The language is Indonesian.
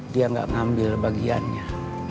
dia gak ngambil bagiannya